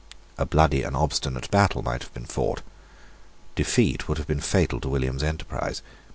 A bloody and obstinate battle might have been fought. Defeat would have been fatal to William's enterprise.